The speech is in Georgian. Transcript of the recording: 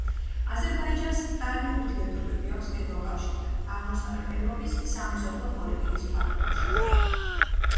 აზერბაიჯანს კარგი ურთიერთობები აქვს ევროკავშირთან, აღმოსავლეთ ევროპის სამეზობლო პოლიტიკის ფარგლებში.